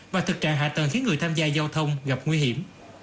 và thực trạng hạ tầng khiến người tham gia giao thông gặp nguy hiểm